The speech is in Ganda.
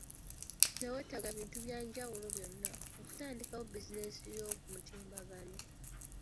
Teweetaaga bintu bya njawulo byonna, okutandikawo bizinensi y'oku mutimbagano.